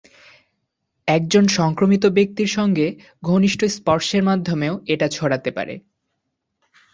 একজন সংক্রামিত ব্যক্তির সঙ্গে ঘনিষ্ঠ স্পর্শের মাধ্যমেও এটা ছড়াতে পারে।